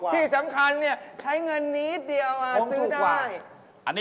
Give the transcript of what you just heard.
ที่สำคัญใช้เงินนิดเดียวซื้อได้